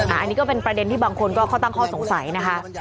อันนี้ก็เป็นประเด็นที่บางคนก็เขาตั้งข้อสงสัยนะคะ